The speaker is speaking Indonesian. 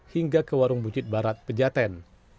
hingga ke warung bucit barat pejaten